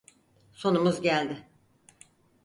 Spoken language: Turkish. Sonumuz geldi!